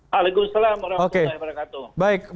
waalaikumsalam warahmatullahi wabarakatuh